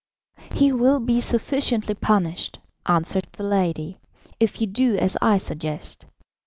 "He will be sufficiently punished," answered the lady, "if you do as I suggest.